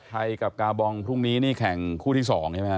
ไทยกับกามาโบองพรุ่งนี้แข่งคู่ที่๒ใช่ไหมครับ